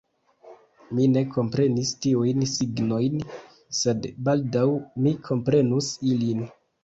Mi ne komprenis tiujn signojn, sed baldaŭ mi komprenus ilin.